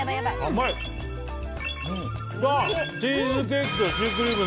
うわー、チーズケーキとシュークリーム。